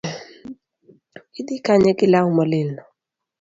Idhi kanye gi law molil no